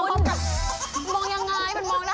มองยังไงมันมองได้หรือเปล่า